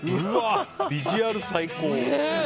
ビジュアル最高。